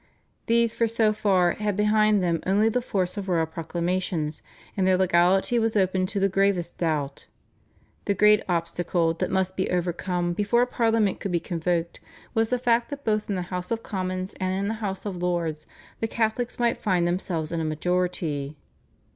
These for so far had behind them only the force of royal proclamations, and their legality was open to the gravest doubt. The great obstacle that must be overcome before a Parliament could be convoked was the fact that both in the House of Commons and in the House of Lords the Catholics might find themselves in a majority.